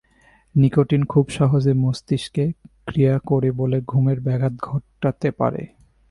Nicotine খুব সহজেই মস্তিষ্কে ক্রিয়া করে বলে ঘুমের ব্যাঘাত ঘটাতে পারে।